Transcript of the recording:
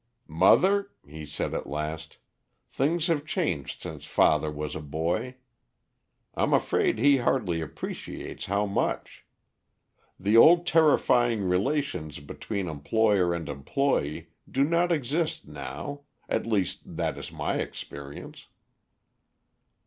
"Mother," he said at last, "things have changed since father was a boy; I'm afraid he hardly appreciates how much. The old terrifying relations between employer and employee do not exist now at least, that is my experience."